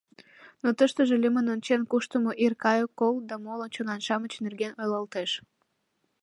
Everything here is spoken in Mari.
Но тыштыже лӱмын ончен куштымо ир кайык, кол да моло чонан-шамыч нерген ойлалтеш.